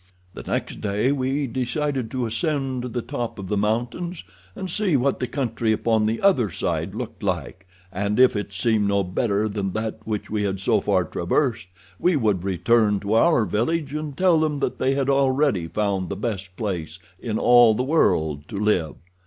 The next day we decided to ascend to the top of the mountains, and see what the country upon the other side looked like, and if it seemed no better than that which we had so far traversed we would return to our village and tell them that they had already found the best place in all the world to live.